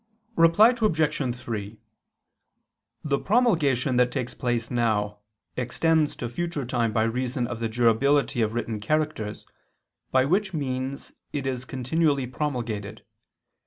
Reply Obj. 3: The promulgation that takes place now, extends to future time by reason of the durability of written characters, by which means it is continually promulgated.